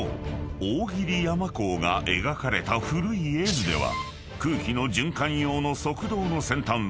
大切山坑が描かれた古い絵図では空気の循環用の側道の先端は］